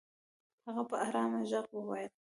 هغه په ارام ږغ وويل.